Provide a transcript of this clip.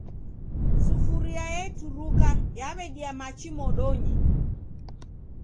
Sufuria eturuka yawedia machi modonyi